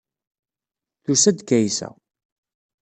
Tusa-d Kaysa.